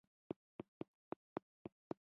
هغه وايي: "ما د جیمیني ستورمزلو په اړه د یوې.